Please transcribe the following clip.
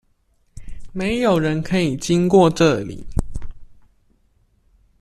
沒有人可以經過這裡！